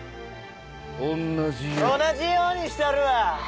同じようにしたるわ！